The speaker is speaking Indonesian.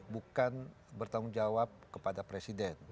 bukan bertanggung jawab kepada presiden